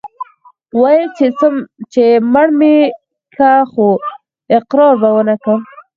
ويل يې چې مړ مې که خو اقرار به ونه کم.